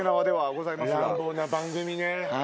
乱暴な番組ね。